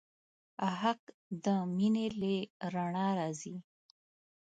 حق د مینې له رڼا راځي.